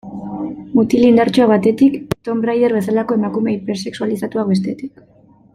Mutil indartsuak batetik, Tomb Raider bezalako emakume hipersexualizatuak bestetik.